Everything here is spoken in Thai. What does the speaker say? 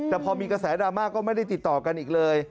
แต่พอมีกระแสดราม่าก็ไม่ได้ติดต่อกันอีกเลย